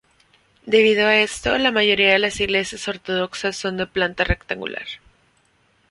Debido a esto, la mayoría de las iglesias ortodoxas son de planta rectangular.